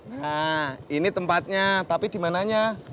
nah ini tempatnya tapi dimananya